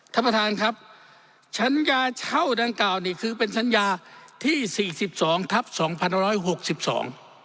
ท่านประธานครับสัญญาเช่าดังกล่าวนี่คือเป็นสัญญาที่สี่สิบสองทับสองพันร้อยหกสิบสอง